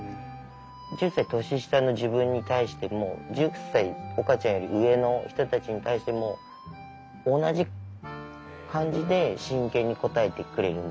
１０歳年下の自分に対しても１０歳岡ちゃんより上の人たちに対しても同じ感じで真剣に答えてくれるんですよ。